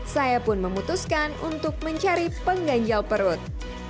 saya pun memutuskan untuk mencari pengganjal perut